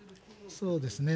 そうですね。